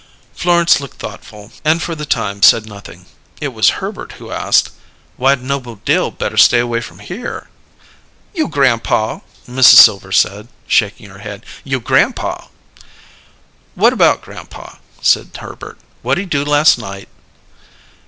Florence looked thoughtful, and for the time said nothing. It was Herbert who asked: "Why'd Noble Dill better stay away from here?" "You' grampaw," Mrs. Silver said, shaking her head. "You' grampaw!" "What about grandpa?" said Herbert. "What'd he do last night?"